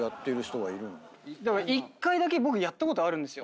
１回だけ僕やったことあるんですよ。